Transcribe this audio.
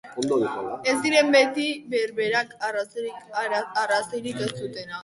Ez ziren beti berberak arrazoirik ez zutenak.